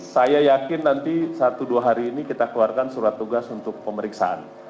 saya yakin nanti satu dua hari ini kita keluarkan surat tugas untuk pemeriksaan